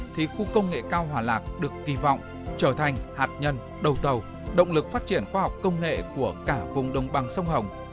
thì khu công nghệ cao hòa lạc được kỳ vọng trở thành hạt nhân đầu tàu động lực phát triển khoa học công nghệ của cả vùng đồng bằng sông hồng